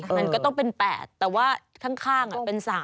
มันก็ต้องเป็น๘แต่ว่าข้างเป็น๓